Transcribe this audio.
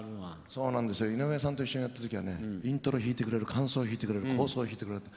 そうなんですよ井上さんと一緒にやってる時はねイントロ弾いてくれる間奏弾いてくれる後奏を弾いてくれる。